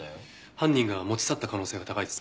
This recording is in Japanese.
犯人が持ち去った可能性が高いですね。